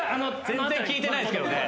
全然聞いてないですけどね。